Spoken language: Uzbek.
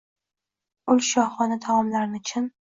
Ul shoxona taomlarni chin